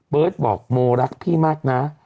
เบอร์ตบอกโมรักพี่มากนะ